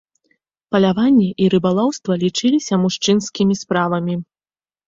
Паляванне і рыбалоўства лічыліся мужчынскімі справамі.